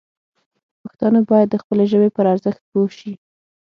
پښتانه باید د خپلې ژبې پر ارزښت پوه شي.